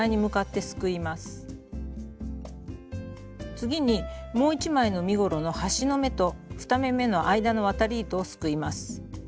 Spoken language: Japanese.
次にもう一枚の身ごろの端の目と２目めの間の渡り糸をすくいます。